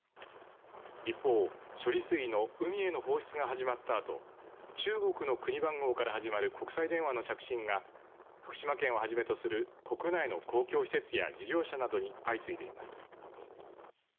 一方、処理水の海への放出が始まったあと中国の国番号から始まる国際電話の着信が福島県をはじめとする国内の公共施設や事業者などに相次いでいます。